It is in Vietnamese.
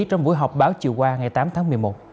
trong buổi họp báo chiều qua ngày tám tháng một mươi một